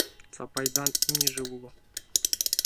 Сапайдан имньыже уло.